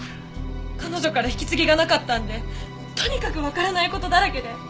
彼女から引き継ぎがなかったんでとにかくわからない事だらけで。